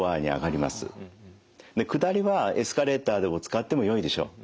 下りはエスカレーターでも使ってもよいでしょう。